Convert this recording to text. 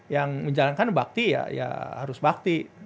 yang menjalankan bakti ya ya harus bakti